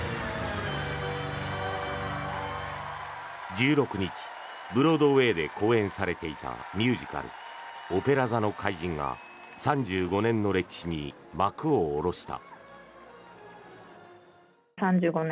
１６日、ブロードウェーで公演されていたミュージカル「オペラ座の怪人」が３５年の歴史に幕を下ろした。